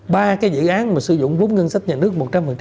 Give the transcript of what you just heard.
ba cái dự án mà sử dụng vốn ngân sách nhà nước một trăm linh